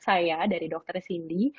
saya dari dokter sidi